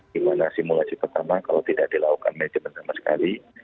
dimana simulasi pertama kalau tidak dilakukan manajemen sama sekali